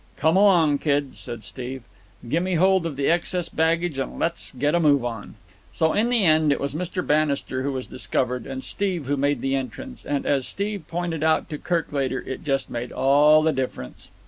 "Come along, kid," said Steve. "Gimme hold of the excess baggage, and let's get a move on." So in the end it was Mr. Bannister who was discovered and Steve who made the entrance. And, as Steve pointed out to Kirk later, it just made all the difference.